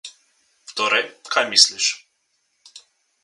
Torej, kaj misliš?